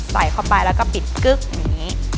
ใส่เข้าไปแล้วก็ปิดกึ๊กอย่างนี้